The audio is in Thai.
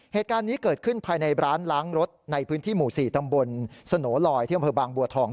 เหตุการณ์นี้เกิดขึ้นภายในร้านล้างรถในพื้นที่หมู่๔ตำบลสโนลอยที่อำเภอบางบัวทอง